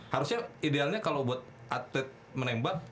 harusnya idealnya kalau buat atlet menembak